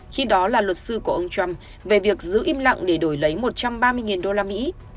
khi đó là luật sư của ông trump về việc giữ im lặng để đổi lấy một trăm ba mươi đô la mỹ